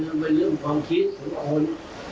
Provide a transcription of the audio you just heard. มันเป็นเรื่องความคิดของคน